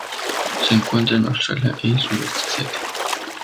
Se encuentra en Australia y Sureste Asiático.